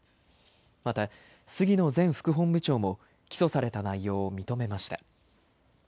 また、杉野前副本部長も、起訴された内容を認めました。